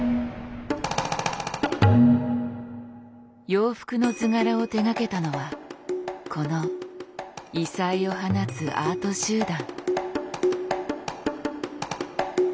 洋服の図柄を手がけたのはこの異彩を放つアート集団。